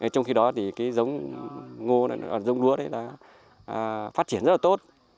trong khi đó thì cái giống lúa đã phát triển rất là tốt